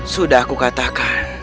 sudah aku katakan